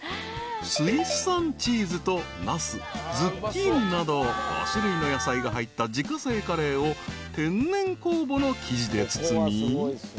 ［スイス産チーズとナスズッキーニなど５種類の野菜が入った自家製カレーを天然酵母の生地で包み］